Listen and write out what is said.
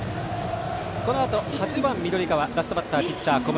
このあと８番、緑川ラストバッター、ピッチャー小室。